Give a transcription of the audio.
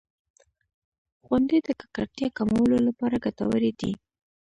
• غونډۍ د ککړتیا کمولو لپاره ګټورې دي.